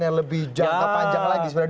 yang lebih jangka panjang lagi sebenarnya